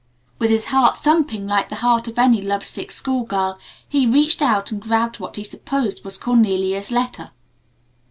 With his heart thumping like the heart of any love sick school girl, he reached out and grabbed what he supposed was Cornelia's letter.